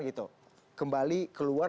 gitu kembali keluar